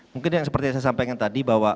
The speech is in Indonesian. mungkin yang seperti yang saya sampaikan tadi bahwa